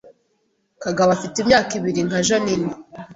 Kagabo afite imyaka ibiri nka Jeaninne